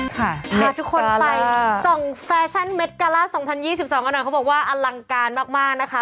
พาทุกคนไปส่องแฟชั่นเม็ดกาล่า๒๐๒๒กันหน่อยเขาบอกว่าอลังการมากนะคะ